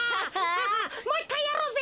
もう１かいやろうぜ！